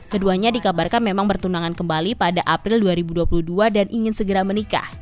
keduanya dikabarkan memang bertunangan kembali pada april dua ribu dua puluh dua dan ingin segera menikah